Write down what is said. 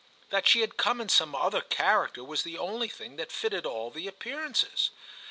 That she had come in some other character was the only thing that fitted all the appearances.